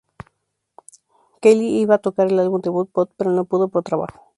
Kelley iba a tocar en el álbum debut, "Pod", pero no pudo por trabajo.